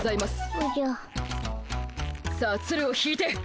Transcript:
さあつるを引いて。